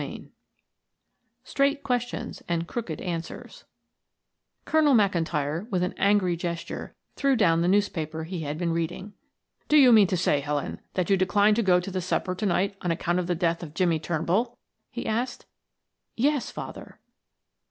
CHAPTER VI. STRAIGHT QUESTIONS AND CROOKED ANSWERS Colonel McIntyre, with an angry gesture, threw down the newspaper he had been reading. "Do you mean to say, Helen, that you decline to go to the supper to night on account of the death of Jimmie 'Turnbull?" he asked. "Yes, father."